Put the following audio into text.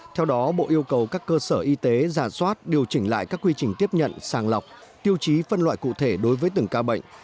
theo đó bộ yêu cầu các cơ sở y tế giả soát điều chỉnh lại các quy trình tiếp nhận sàng lọc tiêu chí phân loại cụ thể đối với từng ca bệnh